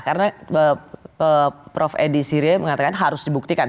karena prof edi sirie mengatakan harus dibuktikan